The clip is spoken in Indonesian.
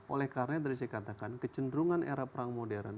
oleh karena tadi saya katakan kecenderungan era perang modern